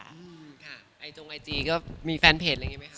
อืมค่ะไอจงไอจีก็มีแฟนเพจอะไรอย่างนี้ไหมค